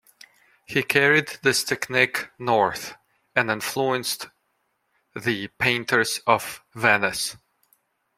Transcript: He carried this technique north and influenced the painters of Venice.